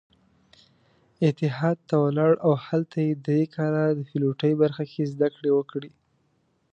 اتحاد ته ولاړ او هلته يې درې کاله د پيلوټۍ برخه کې زدکړې وکړې.